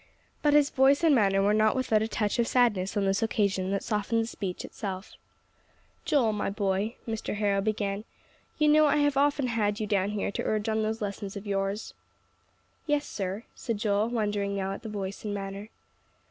But his voice and manner were not without a touch of sadness on this occasion that softened the speech itself. "Joel, my boy," Mr. Harrow began, "you know I have often had you down here to urge on those lessons of yours." "Yes, sir," said Joel, wondering now at the voice and manner.